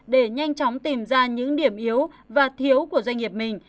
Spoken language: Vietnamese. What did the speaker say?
để nhanh chóng tìm ra những điểm yếu và thiếu của doanh nghiệp mình